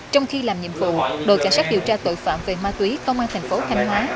trong khi làm nhiệm vụ đội cảnh sát điều tra tội phạm về ma túy công an thành phố thanh hóa